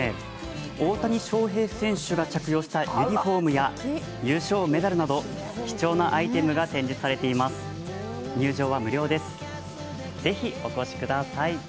大谷翔平選手が着用したユニフォームや優勝メダルなど貴重なアイテムが来週の「ブランチ」は？